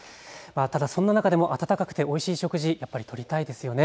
ただそんな中でも温かくておいしい食事、やっぱり取りたいですよね。